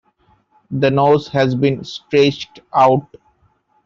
The nose has been stretched out.